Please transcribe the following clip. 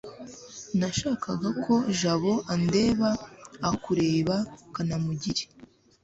nashakaga ko jabo andeba aho kureba kanamugire